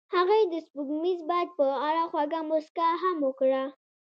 هغې د سپوږمیز باد په اړه خوږه موسکا هم وکړه.